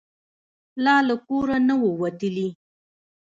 لا له کوره نه وو وتلي.